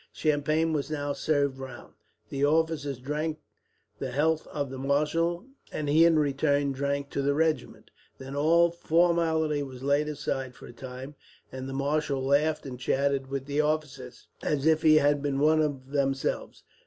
Champagne was now served round. The officers drank the health of the marshal, and he in return drank to the regiment; then all formality was laid aside for a time, and the marshal laughed and chatted with the officers, as if he had been one of themselves.